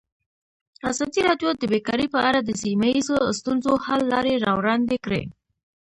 ازادي راډیو د بیکاري په اړه د سیمه ییزو ستونزو حل لارې راوړاندې کړې.